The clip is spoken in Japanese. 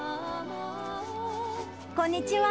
こんにちは。